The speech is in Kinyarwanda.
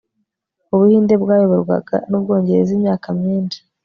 Ubuhinde bwayoborwaga nUbwongereza imyaka myinshi